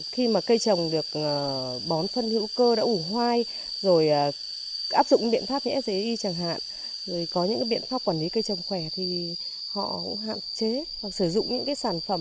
khi mà cây trồng được bón phân hữu cơ đã ủ hoai rồi áp dụng biện pháp nhs y chẳng hạn rồi có những biện pháp quản lý cây trồng khỏe thì họ cũng hạn chế hoặc sử dụng những cái sản phẩm